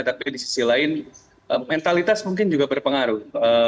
tapi di sisi lain mentalitas mungkin juga berpengaruh